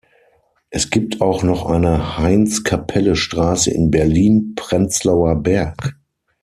Es gibt auch noch eine Heinz-Kapelle-Straße in Berlin-Prenzlauer Berg.